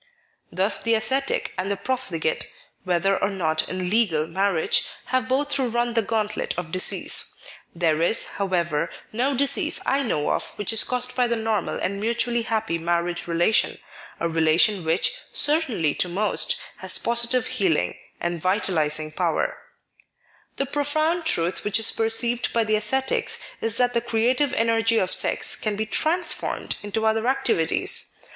Thus the ascetic and the profligate (whether or not in legal marriage) have both to run the gauntlet of disease. There is, however, no disease I know of which is caused by the normal and mutually happy marriage relation — a relation which, certainly to most, has positive healing and vitalising power. 76 Married Love The profound truth which is perceived by the ascetics is that the creative energy of sex can be trans formed into other activities.